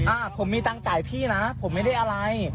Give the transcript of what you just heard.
อ่าผมมีตังค์จ่ายพี่นะผมไม่ได้อะไร